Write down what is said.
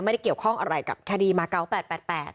ไม่ได้เกี่ยวข้องอะไรกับคดีมาเกาะ๘๘๘